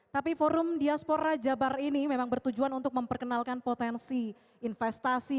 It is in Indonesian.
tapi forum diaspora jabar ini memang bertujuan untuk memperkenalkan potensi investasi